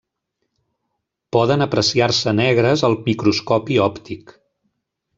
Poden apreciar-se negres al microscopi òptic.